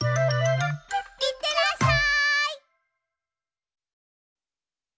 いってらっしゃい！